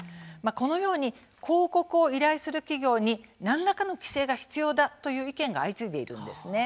このように広告を依頼する企業に何らかの規制が必要だ、という意見が相次いでいるんですね。